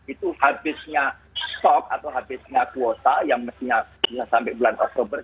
itu habisnya stok atau habisnya kuota yang mestinya sampai bulan oktober